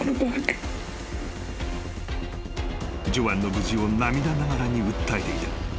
［ジョアンの無事を涙ながらに訴えていた］